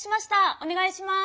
お願いします。